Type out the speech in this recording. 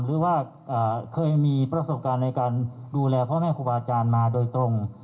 หรือว่าเคยมีประสบการณ์ในการดูแลพ่อแม่ครูบาอาจารย์มาโดยตรง